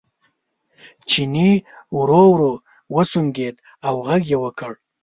چیني ورو ورو وسونګېد او غږ یې وکړ.